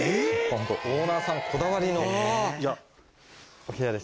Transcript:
オーナーさんこだわりのお部屋ですね。